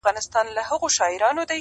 که رضا وي که په زور وي زې کوومه-